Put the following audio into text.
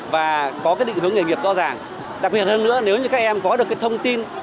và có cái định hướng nghề nghiệp rõ ràng đặc biệt hơn nữa nếu như các em có được cái thông tin